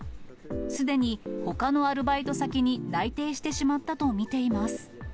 すでにほかのアルバイト先に内定してしまったと見ています。